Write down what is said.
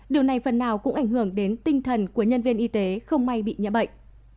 điều này phần nào cũng ảnh hưởng đến tinh thần của nhân viên y tế không may bị nhiễm bệnh